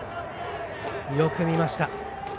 よく見ました。